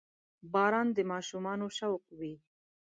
• باران د ماشومانو شوق وي.